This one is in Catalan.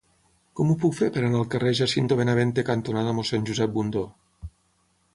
Com ho puc fer per anar al carrer Jacinto Benavente cantonada Mossèn Josep Bundó?